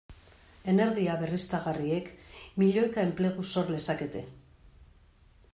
Energia berriztagarriek milioika enplegu sor lezakete.